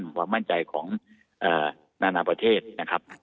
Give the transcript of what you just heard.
ความมั่นใจของนานาประเทศนะครับ